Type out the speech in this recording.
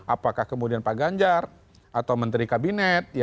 apakah kemudian pak ganjar atau menteri kabinet